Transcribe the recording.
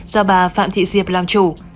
do bà phạm thị diệp làm chủ